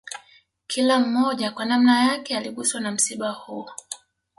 Kila mmoja kwa nanma yake aliguswa na msiba huo